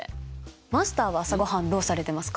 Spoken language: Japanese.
マスターは朝ごはんどうされてますか？